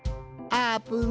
あーぷん。